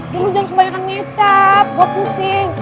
ya lo jangan kebanyakan kecap gue pusing